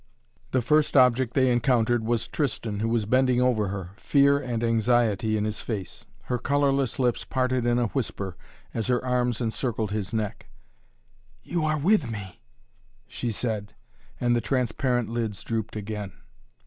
The first object they encountered was Tristan who was bending over her, fear and anxiety in his face. Her colorless lips parted in a whisper, as her arms encircled his neck. "You are with me!" she said, and the transparent lids drooped again.